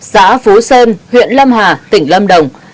xã phú sơn huyện lâm hà tỉnh lâm đồng